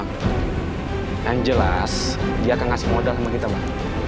kesempatan cuma sekali bang